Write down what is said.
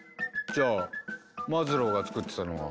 じゃあマズローがつくってたのは。